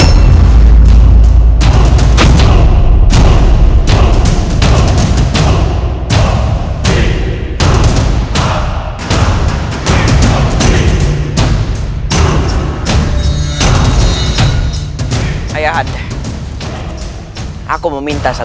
untuk rai surawisasa